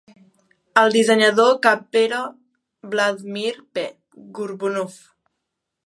El dissenyador cap era Vladimir P. Gorbunov.